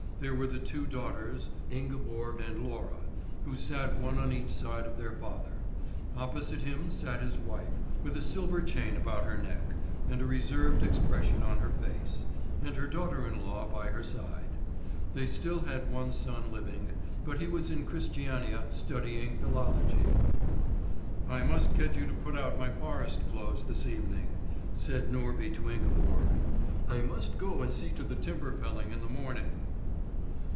There were the two daughters, Ingeborg and Laura, who sat one on each side of their father; opposite him sat his wife, with a silver chain about her neck, and a reserved expression on her face, and her daughter in law by her side. They still had one son living, but he was in Christiania studying philology. "I must get you to put out my forest clothes this evening," said Norby to Ingeborg; "I must go and see to the timber felling in the morning."